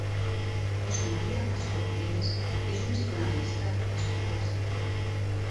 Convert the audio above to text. José María Blasco Comellas és un psicoanalista nascut a Barcelona.